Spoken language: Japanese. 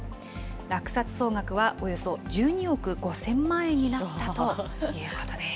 落札総額はおよそ１２億５０００万円になったということです。